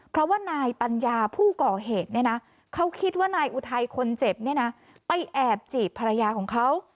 เพราะว่านายปัญญาผู้ก่อเหตุเนี่ยนะเขาคิดว่านายอุทัยคนเจ็บเนี่ยนะไปแอบจีบภรรยาของเขา